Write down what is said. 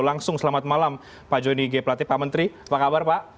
langsung selamat malam pak jonny g plate pak menteri apa kabar pak